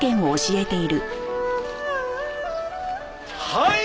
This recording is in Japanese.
はい！